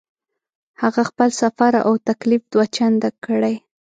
هغه خپل سفر او تکلیف دوه چنده کړی.